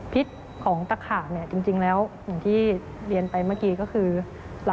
พิษของตะขาจริงแล้วอย่างที่เรียนไปเมื่อกี้